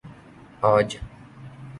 آج